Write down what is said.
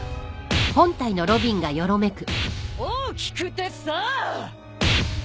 大きくてさぁ！